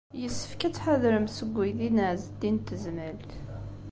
Yessefk ad tḥadremt seg uydi n Ɛezdin n Tezmalt.